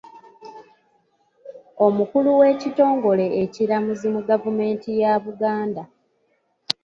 Omukulu w’ekitongole ekiramuzi mu gavumenti ya Buganda.